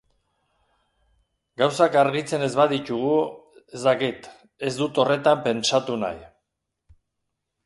Gauzak argitzen ez baditugu, ez dakit, ez dut horretan pentsatu nahi.